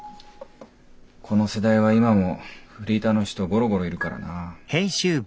この世代は今もフリーターの人ゴロゴロいるからな。